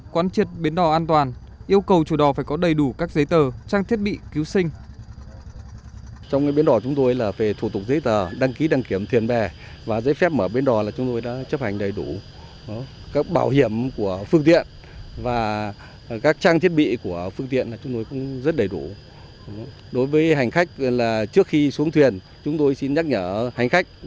quán triệt biến đò an toàn yêu cầu chủ đò phải có đầy đủ các giấy tờ trang thiết bị cứu sinh